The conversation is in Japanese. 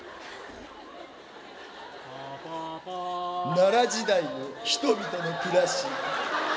奈良時代の人々の暮らし。